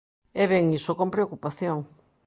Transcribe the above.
E ven iso con preocupación.